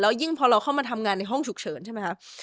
ยิ่งพอเราเข้ามาทำงานในห้องฉุกเฉินใช่ไหมคะ